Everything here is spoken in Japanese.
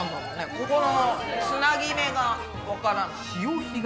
ここのつなぎ目がわからない。